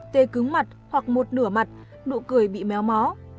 tê cứng mặt hoặc một nửa mặt nụ cười bị méo mó